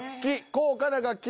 「高価な楽器」。